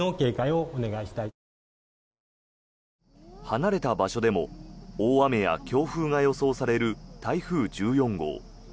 離れた場所でも大雨や強風が予想される台風１４号。